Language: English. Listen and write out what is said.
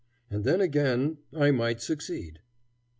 And then, again, I might succeed.